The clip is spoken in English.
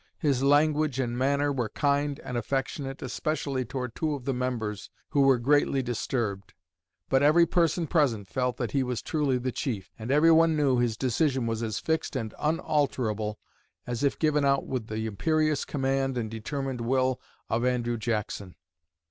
His language and manner were kind and affectionate, especially toward two of the members, who were greatly disturbed; but every person present felt that he was truly the chief, and every one knew his decision was as fixed and unalterable as if given out with the imperious command and determined will of Andrew Jackson.